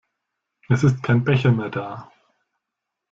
Es ist kein Becher mehr da.